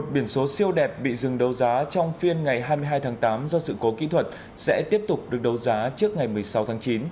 một biển số siêu đẹp bị dừng đấu giá trong phiên ngày hai mươi hai tháng tám do sự cố kỹ thuật sẽ tiếp tục được đấu giá trước ngày một mươi sáu tháng chín